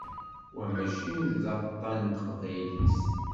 Wa mačči d aṭan n teqbaylit?